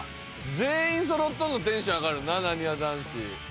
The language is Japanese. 全員そろっとるのテンション上がるななにわ男子。